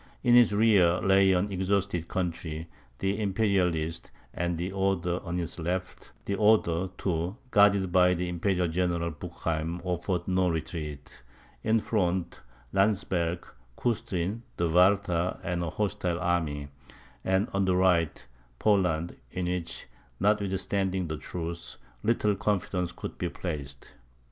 In his rear lay an exhausted country, the Imperialists, and the Oder on his left; the Oder, too, guarded by the Imperial General Bucheim, offered no retreat; in front, Landsberg, Custrin, the Warta, and a hostile army; and on the right, Poland, in which, notwithstanding the truce, little confidence could be placed.